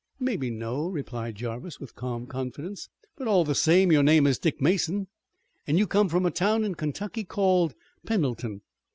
"Mebbe no," replied Jarvis, with calm confidence, "but all the same your name is Dick Mason, and you come from a town in Kentucky called Pendleton.